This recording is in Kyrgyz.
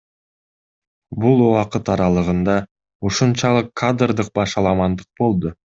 Бул убакыт аралыгында ушунчалык кадрдык башаламандык болду.